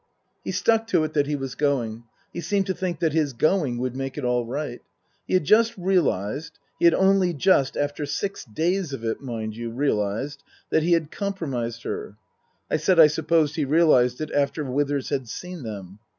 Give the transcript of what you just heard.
He stuck to it that he was going. He seemed to think that his going would make it all right. He had just realized he had only just, after six days of it, mind you, realized that he had compromised her. I said I supposed he realized it after Withers had seen them